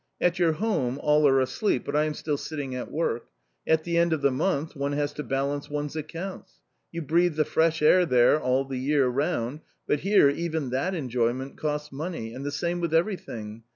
At your home all are asleep, but I am still sitting at work ; at the end of the month one has to balance one's accounts. You breathe the fresh air there all the year round, but here even that enjoyment costs money, and the same with everything.